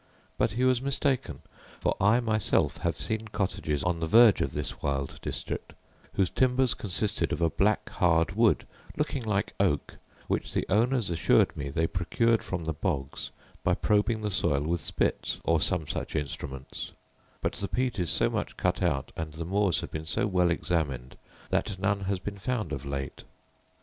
But he was mistaken: for I myself have seen cottages on the verge of this wild district, whose timbers consisted of a black hard wood, looking like oak, which the owners assured me they procured from the bogs by probing the soil with spits, or some such instruments: but the peat is so much cut out, and the moors have been so well examined, that none has been found of late.